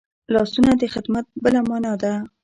لاسونه د خدمت بله مانا ده